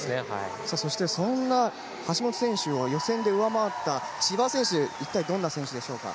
そんな橋本選手を予選で上回った千葉選手は一体どんな選手でしょうか？